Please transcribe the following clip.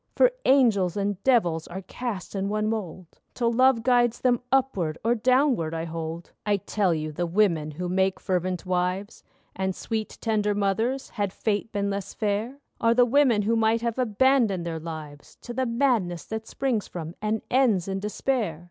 For angels and devils are cast in one mould, Till love guides them upward or downward, I hold. I tell you the women who make fervent wives And sweet tender mothers, had Fate been less fair, Are the women who might have abandoned their lives To the madness that springs from and ends in despair.